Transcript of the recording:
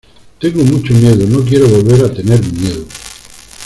tengo mucho miedo. no quiero volver a tener miedo .